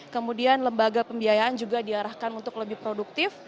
kemudian lembaga pembiayaan juga diarahkan untuk lebih produktif